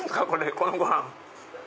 このご飯！